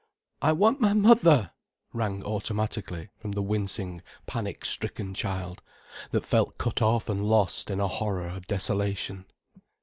"I want my mother," rang automatically from the wincing, panic stricken child, that felt cut off and lost in a horror of desolation.